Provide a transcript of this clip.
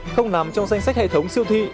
không nằm trong danh sách hệ thống siêu thị